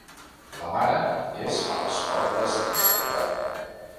La mare és a les portes de l'infern.